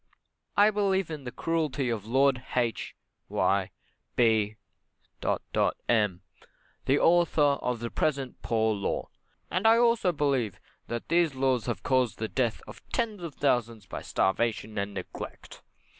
I believe in the cruelty of Lord H y B m, the author of the present Poor Law, and I also believe that these laws have caused the death of tens of thousands by starvation and neglect.